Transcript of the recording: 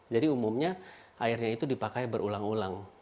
jadi umumnya airnya itu dipakai berulang ulang